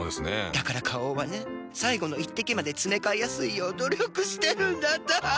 だから花王はね最後の一滴までつめかえやすいよう努力してるんだって。